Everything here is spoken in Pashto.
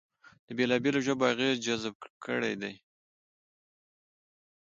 د بېلابېلو ژبو اغېزې جذب کړې دي